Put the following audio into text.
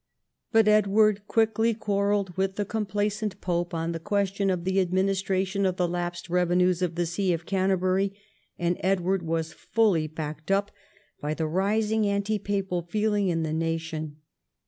But Edward quickly quarrelled with the complaisant pope on the question of the administration of the lapsed revenues of the see of Canterbury, and Edward was fully backed up by the rising anti papal feeling in the nation.